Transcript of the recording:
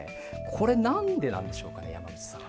これ何でなんでしょうかね山口さん。